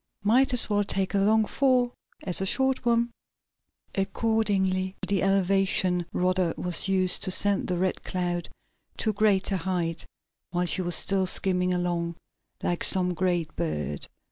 "Might as well take a long fall as a short one." Accordingly, the elevation rudder was used to send the Red Cloud to a greater height while she was still skimming along like some great bird.